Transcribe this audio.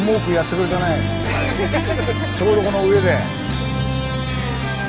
ちょうどこの上で。